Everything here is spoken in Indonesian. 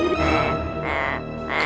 oh keburu round gue